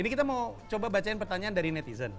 ini kita mau coba bacain pertanyaan dari netizen